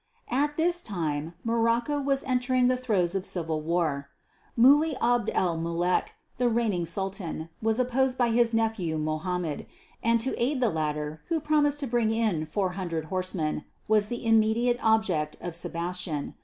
At this time Morocco was entering on the throes of civil war. Muley Abd el Mulek, the reigning Sultan, was opposed by his nephew, Mohammed, and to aid the latter, who promised to bring in 400 horsemen, was the immediate object of Sebastian.